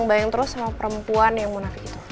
bayang terus sama perempuan yang munafik itu